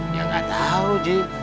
dia gak tau ji